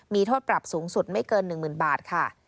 มีโทษปรับสูงสุดไม่เกิน๑หมื่นบาท